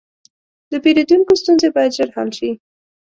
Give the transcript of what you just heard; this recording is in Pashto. د پیرودونکو ستونزې باید ژر حل شي.